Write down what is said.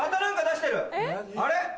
あれ？